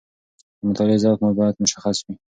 د مطالعې ذوق مو باید مشخص وي.